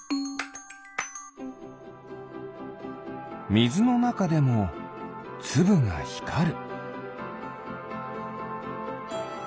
みずのなかでもつぶがひかる。